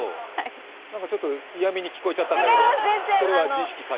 ちょっと嫌味に聞こえちゃったんだけど、それは自意識過剰？